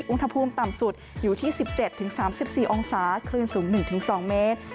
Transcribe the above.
อุณหภูมิต่ำสุดอยู่ที่สิบเจ็ดถึงสามสิบสี่องศาคลื่นสูงหนึ่งถึงสองเมตร